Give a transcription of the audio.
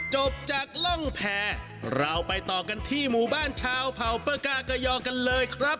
จบจากร่องแผ่เราไปต่อกันที่หมู่บ้านชาวเผ่าเปอร์กากยอกันเลยครับ